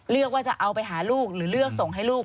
เลือกว่าจะเอาไปหาลูกหรือเลือกส่งให้ลูก